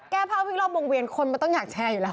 แก้ภาพวิ่งรอบวงเวียนคนมันต้องอยากแชร์อยู่แล้ว